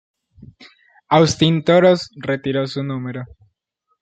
Austin Toros retiro su número.